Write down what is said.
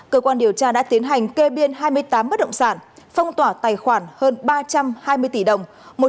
cơ quan điều tra đã tiến hành kê biên hai mươi tám bất động sản phong tỏa tài khoản hơn ba trăm hai mươi tỷ đồng